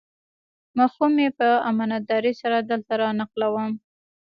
مفهوم یې په امانتدارۍ سره دلته رانقلوم.